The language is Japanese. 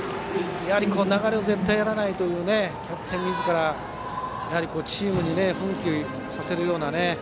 流れを絶対やらないというキャプテンみずからチームを奮起させるような。